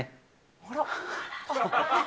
あら。